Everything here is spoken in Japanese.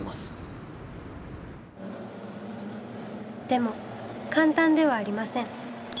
でも簡単ではありません。